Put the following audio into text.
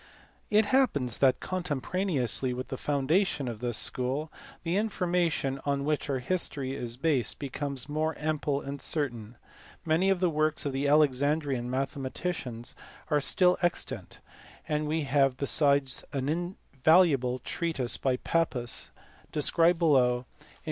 It happens that contemporaneously with the foundation of this school the information on which our history is based be comes more ample and certain. Many of the works of the Alexandrian mathematicians are still extant; and we have besides an invaluable treatise by Pappus, described below, in EUCLID.